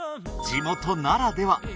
地元ならでは！